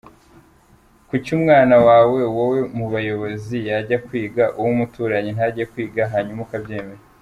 Kuki umwana wawe wowe muyobozi yajya kwiga, uw’umuturanyi ntajye kwiga hanyuma ukabyemera?